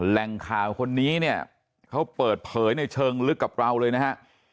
แหล่งข่าวคนนี้เนี่ยเขาเปิดเผยในเชิงลึกกับเราเลยนะฮะ